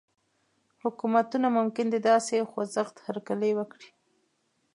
حکومتونه ممکن د داسې خوځښت هرکلی وکړي.